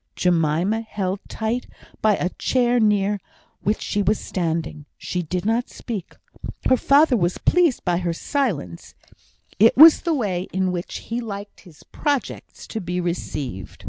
Jemima held tight by a chair near which she was standing. She did not speak; her father was pleased by her silence it was the way in which he liked his projects to be received.